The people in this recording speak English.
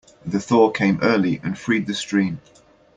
The thaw came early and freed the stream.